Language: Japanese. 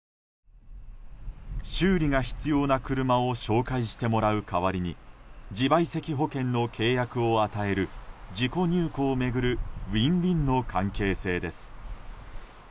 修理が必要な車を紹介してもらう代わりに自賠責保険の契約を与える事故入庫を巡るウィンウィンの関係性です。